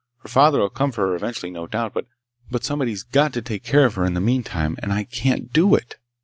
Her father'll come for her eventually, no doubt, but somebody's got to take care of her in the meantime, and I can't do it!"